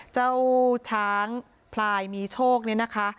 เจ้าช้างพลายมีโชคเนี่ยนะคะ